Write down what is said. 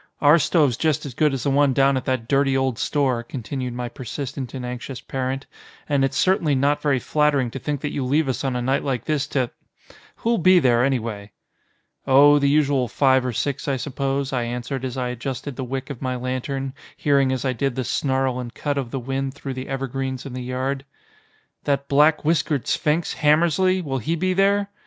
Our stove's just as good as the one down at that dirty old store," continued my persistent and anxious parent, "and it's certainly not very flattering to think that you leave us on a night like this to Who'll be there, anyway?" "Oh, the usual five or six I suppose," I answered as I adjusted the wick of my lantern, hearing as I did the snarl and cut of the wind through the evergreens in the yard. "That black whiskered sphinx, Hammersly, will he be there?"